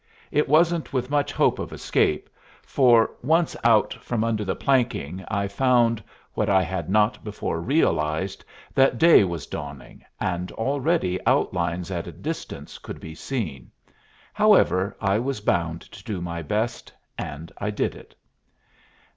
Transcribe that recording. It wasn't with much hope of escape, for once out from under the planking I found, what I had not before realized, that day was dawning, and already outlines at a distance could be seen. However, I was bound to do my best, and I did it.